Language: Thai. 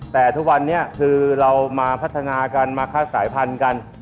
แต่ทุกวันนี้คือเรามาพัฒนากันมาคาดสายพันธุ์กัน